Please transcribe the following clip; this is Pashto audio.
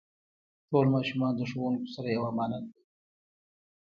ټول ماشومان د ښوونکو سره یو امانت دی.